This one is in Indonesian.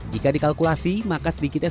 jika dikalkulasi maka sedikit saja